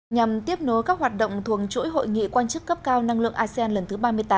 nhằm tiếp nối các hoạt động thuồng chuỗi hội nghị quan chức cấp cao năng lượng asean lần thứ ba mươi tám